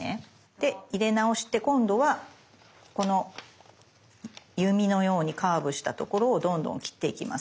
で入れ直して今度はこの弓のようにカーブしたところをどんどん切っていきます。